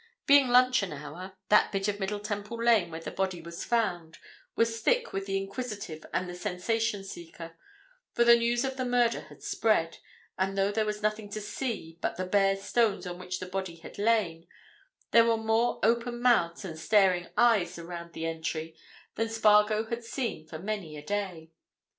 Being luncheon hour, that bit of Middle Temple Lane where the body was found, was thick with the inquisitive and the sensation seeker, for the news of the murder had spread, and though there was nothing to see but the bare stones on which the body had lain, there were more open mouths and staring eyes around the entry than Spargo had seen for many a day.